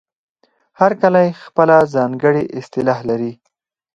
هر کلی خپله ځانګړې اصطلاح لري.